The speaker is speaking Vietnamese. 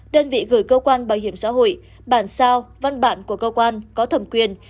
đơn vị gửi cơ quan bảo hiểm xã hội bản sao văn bản của cơ quan có thẩm quyền